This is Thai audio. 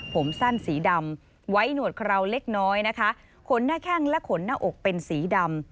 ผมสั้นสีดำไว้หนวดคราวเล็กน้อยนะคะขนหน้าแข้งและขนหน้าอกเป็นสีดำ